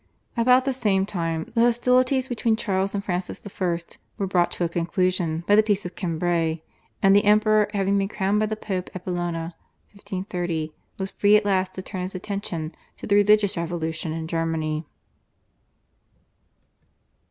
About the same time the hostilities between Charles and Francis I. were brought to a conclusion by the Peace of Cambrai, and the Emperor, having been crowned by the Pope at Bologna (1530), was free at last to turn his attention to the religious revolution in Germany.